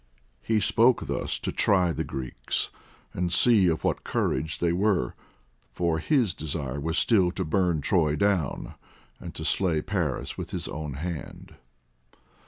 He spoke thus to try the Greeks, and see of what courage they were, for his desire was still to burn Troy town and to slay Paris with his own hand.